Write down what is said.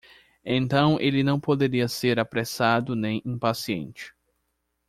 Então ele não poderia ser apressado nem impaciente.